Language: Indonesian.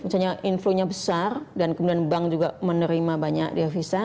misalnya inflow nya besar dan kemudian bank juga menerima banyak devisa